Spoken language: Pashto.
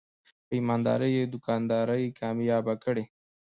په ایماندارۍ یې دوکانداري کامیابه کړې.